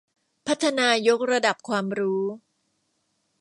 พัฒนายกระดับความรู้